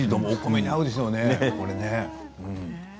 お米に合うでしょうね。